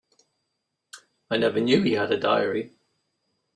I never knew he had a diary.